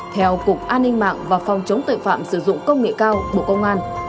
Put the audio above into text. theo cục an ninh mạng và phòng chống tội phạm sử dụng công nghệ cao bộ công an